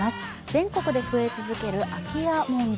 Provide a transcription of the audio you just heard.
全国で増え続ける空き家問題。